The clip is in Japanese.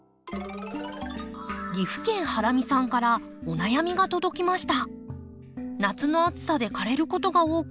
岐阜県ハラミさんからお悩みが届きました。